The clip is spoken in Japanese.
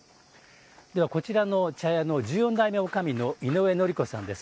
では、こちらの茶屋の１４代目おかみの井上典子さんです。